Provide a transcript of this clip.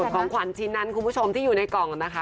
ของขวัญชิ้นนั้นคุณผู้ชมที่อยู่ในกล่องนะคะ